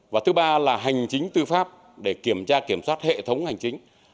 và thứ ba là hành chính tư pháp để kiểm tra kiểm soát hệ thống hành chính